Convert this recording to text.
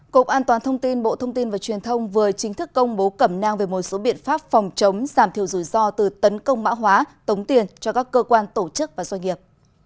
cục an toàn thông tin bộ thông tin và truyền thông vừa chính thức công bố cẩm nang về một số biện pháp phòng chống giảm thiểu rủi ro từ tấn công mã hóa tống tiền cho các cơ quan tổ chức và doanh nghiệp